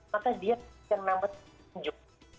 maka dia yang namanya petunjuk